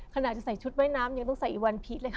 ขนาดจะใส่ชุดว่ายน้ำยังต้องใส่อีกวันพีชเลยค่ะ